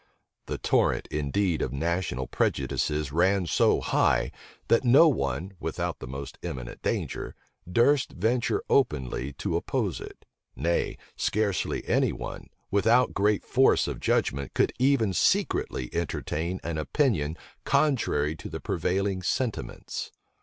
The torrent, indeed, of national prejudices ran so high, that no one, without the most imminent danger, durst venture openly to oppose it; nay, scarcely any one, without great force of judgment, could even secretly entertain an opinion contrary to the prevailing sentiments.